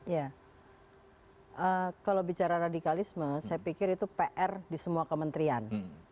ya kalau bicara radikalisme saya pikir itu pr di semua kementerian